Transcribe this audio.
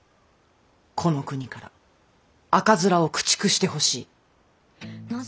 この国から赤面を駆逐してほしい。